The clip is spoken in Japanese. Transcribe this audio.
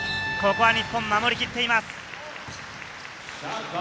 ここは日本、守りきっています。